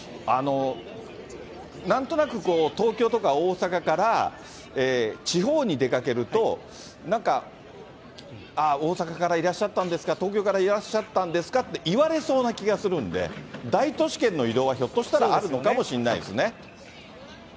なんとなく、東京とか大阪から、地方に出かけると、なんか、ああ、大阪からいらっしゃったんですか、東京からいらっしゃったんですかって言われそうな気がするんで、大都市圏の移動は、ひょっとしたらあるのかもしれないですね。